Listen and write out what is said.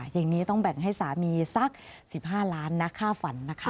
อย่างนี้ต้องแบ่งให้สามีสัก๑๕ล้านนะค่าฝันนะคะ